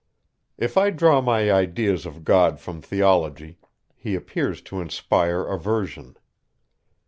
If I draw my ideas of God from theology, he appears to inspire aversion.